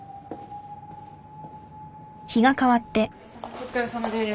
お疲れさまです。